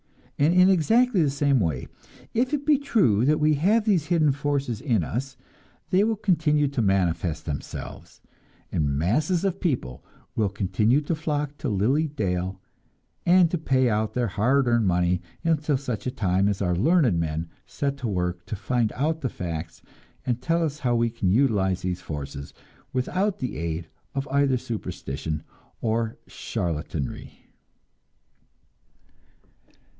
And in exactly the same way, if it be true that we have these hidden forces in us, they will continue to manifest themselves, and masses of people will continue to flock to Lily Dale, and to pay out their hard earned money, until such a time as our learned men set to work to find out the facts and tell us how we can utilize these forces without the aid of either superstition or charlatanry.